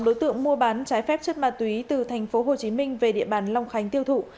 đối tượng mua bán trái phép chất ma túy từ tp hcm về địa bàn long khánh tiêu thụ